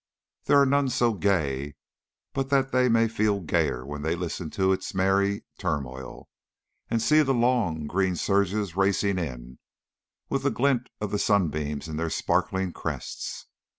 There are none so gay but that they may feel gayer when they listen to its merry turmoil, and see the long green surges racing in, with the glint of the sunbeams in their sparkling crests.